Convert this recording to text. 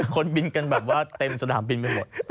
คนบินกันแบบว่าเต็มสนามบินไปหมด